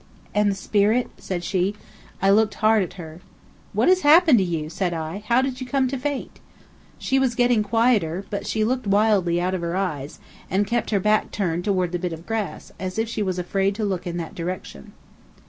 "And the spirit?" said she. I looked hard at her. "What has happened to you?" said I. "How did you come to faint?" She was getting quieter, but she still looked wildly out of her eyes, and kept her back turned toward the bit of grass, as if she was afraid to look in that direction.